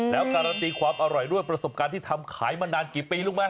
แล้วการันตีความอร่อยด้วยประสบการณ์ที่ทำขายมานานกี่ปีรู้ไหม